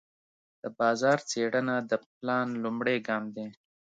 د بازار څېړنه د پلان لومړی ګام دی.